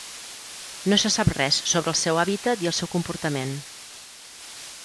No se sap res sobre el seu hàbitat i el seu comportament.